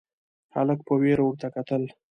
هلک په وېره ورته کتل: